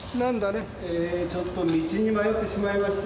えーちょっと道に迷ってしまいまして。